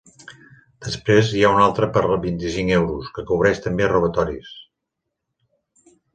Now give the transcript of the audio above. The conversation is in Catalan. Després, hi ha una altra per vint-i-cinc euros, que cobreix també robatoris.